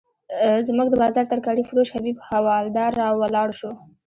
زموږ د بازار ترکاري فروش حبیب حوالدار راولاړ شو.